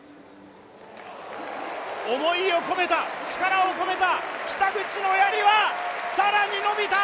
思いを込めた、力を込めた北口のやりは、更に伸びた！